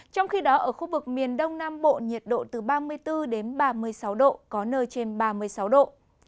trong khi đó ở khu vực miền đông nam bộ nhiệt độ từ ba mươi bốn ba mươi sáu độ có nơi trên ba mươi sáu độ